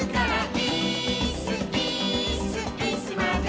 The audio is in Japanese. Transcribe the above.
「イースイースイスまでも」